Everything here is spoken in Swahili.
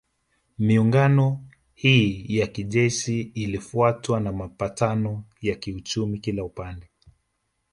Miungano hii ya kijeshi ilifuatwa na mapatano ya kiuchumi kila upande